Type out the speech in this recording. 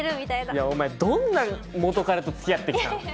いやお前どんな元カレと付き合って来た？